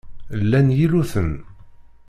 Llan yilluten.